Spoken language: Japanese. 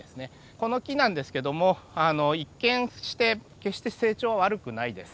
この木なんですけども一見して決して成長悪くないです。